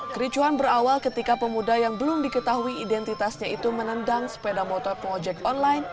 kericuhan berawal ketika pemuda yang belum diketahui identitasnya itu menendang sepeda motor pengojek online